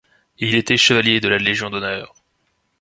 Il était chevalier de la Légion d’honneur.